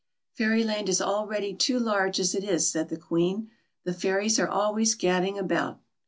*' Fairyland is already too large as it is," said the Queen, " the fairies are always gadding about."